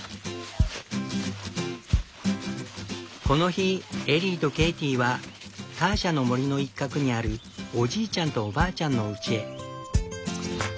この日エリーとケイティはターシャの森の一角にあるおじいちゃんとおばあちゃんのうちへ。